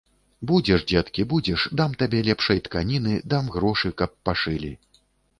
Будзеш, дзеткі, будзеш, дам табе лепшай тканіны, дам грошы, каб пашылі.